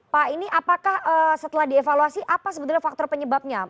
pak ini apakah setelah dievaluasi apa sebetulnya faktor penyebabnya